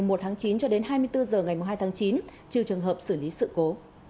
ngày một tháng chín cho đến hai mươi bốn giờ ngày hai tháng chín trừ trường hợp xử lý sự cố